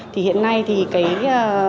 thì hiện nay thì cái